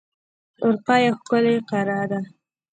اروپا یو ښکلی قاره ده.